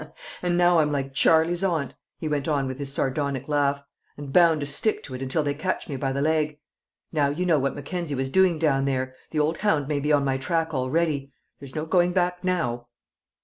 And now I'm like Charley's Aunt," he went on with his sardonic laugh, "and bound to stick to it until they catch me by the leg. Now you know what Mackenzie was doing down there! The old hound may be on my track already. There's no going back now."